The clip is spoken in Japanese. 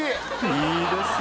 いいですね！